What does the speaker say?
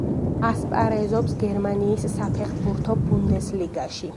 ასპარეზობს გერმანიის საფეხბურთო ბუნდესლიგაში.